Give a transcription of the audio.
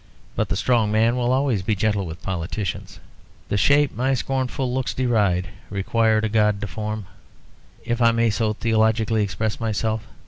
But the strong man will always be gentle with politicians. 'The shape my scornful looks deride Required a God to form;' if I may so theologically express myself.